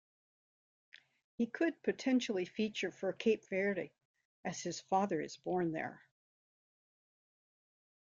He could potentially feature for Cape Verde as his father is born there.